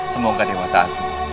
semoga dewata aku